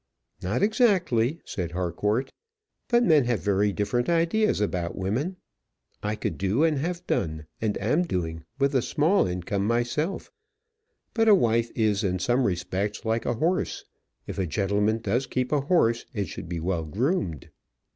"Not exactly," said Harcourt. "But men have very different ideas about women. I could do, and have done, and am doing with a small income myself; but a wife is in some respects like a horse. If a gentleman does keep a horse, it should be well groomed."